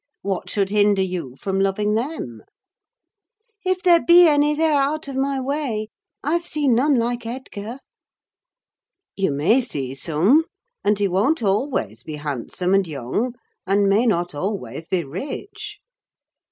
What should hinder you from loving them?" "If there be any, they are out of my way: I've seen none like Edgar." "You may see some; and he won't always be handsome, and young, and may not always be rich."